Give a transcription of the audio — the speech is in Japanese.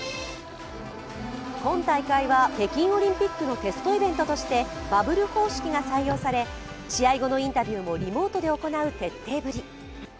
今大会は北京オリンピックのテストイベントととしてバブル方式が採用され試合後のインタビューもリモートで行う徹底ぶり。